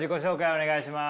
お願いします。